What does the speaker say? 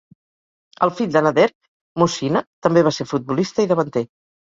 El fill de Nader, Mohcine, també va ser futbolista i davanter.